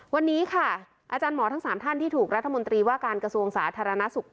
วันนี้ค่ะอาจารย์หมอทั้ง๓ท่านที่ถูกรัฐมนตรีว่าการกระทรวงสาธารณสุข